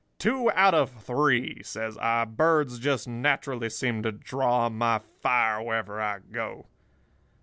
'Two out of three,' says I. 'Birds just naturally seem to draw my fire wherever I go.